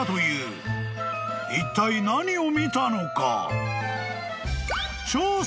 ［いったい何を見たのか？］